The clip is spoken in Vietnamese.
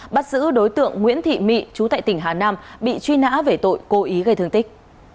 bắt giữ đối tượng nguyễn thị mị chú tại tỉnh hà nam bị truy nã về tội cố ý gây thương tích